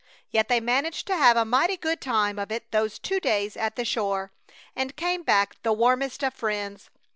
Yet they managed to have a mighty good time of it those two days at the shore, and came back the warmest of friends.